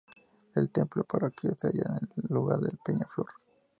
El templo parroquial se halla en el lugar de Peñaflor.